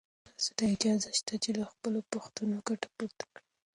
تاسو ته اجازه شته چې له خپلو پوښتنو ګټه پورته کړئ.